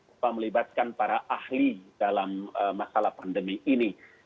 apa melibatkan para ahli dalam masalah pandemi ini